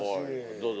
どうぞ。